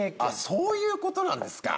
そういうことなんですか！